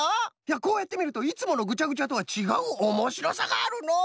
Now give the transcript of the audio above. こうやってみるといつものぐちゃぐちゃとはちがうおもしろさがあるのう。